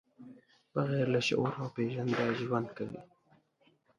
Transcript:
بغیر له شعور او پېژانده ژوند کوي.